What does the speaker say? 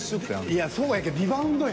いやそうやけどリバウンドや。